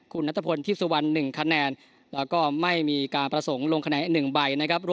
คุณนัทพลทีพสุวรรณ๑คะแนนแล้วก็ไม่มีการประสงค์ลงคะแนน๑ใบนะครับ